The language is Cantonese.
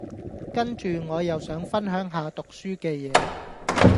跟住我又想分享下讀書嘅嘢